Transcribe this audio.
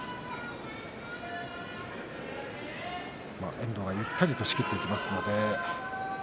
遠藤がゆったりと仕切ってきますので。